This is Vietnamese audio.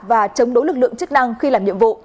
và chống đối lực lượng chức năng khi làm nhiệm vụ